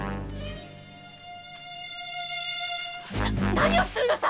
何をするのさ！